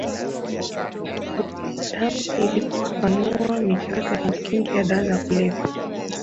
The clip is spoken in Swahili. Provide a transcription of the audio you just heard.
wa binadamu ili kufafanua michakato ya kimsingi ya dawa za kulevya